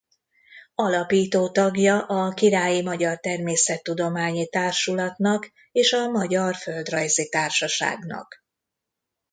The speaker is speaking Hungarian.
Alapító tagja a Királyi Magyar Természettudományi Társulatnak és a magyar földrajzi társaságnak.